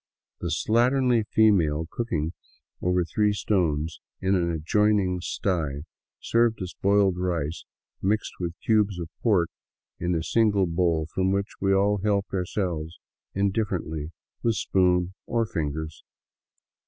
The slatternly female cooking over three stones in an adjoining sty served us boiled rice mixed with cubes of pork in a single bowl from which we all helped ourselves indifferently with spoon or fingers.